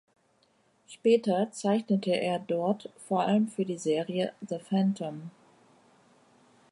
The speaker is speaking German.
Später zeichnete er dort vor allem für die Serie "The Phantom".